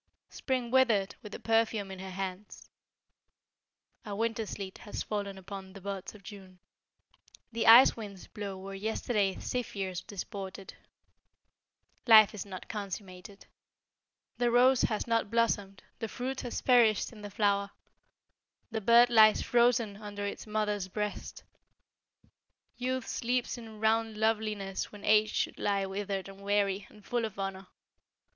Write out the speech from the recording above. Spring withered with the perfume in her hands; A winter sleet has fallen upon the buds of June; The ice winds blow where yesterday zephyrs disported: Life is not consummated The rose has not blossomed, the fruit has perished in the flower, The bird lies frozen under its mother's breast Youth sleeps in round loveliness when age should lie withered and weary, and full of honor.